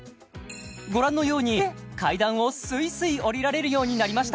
ご覧のように階段をスイスイ下りられるようになりました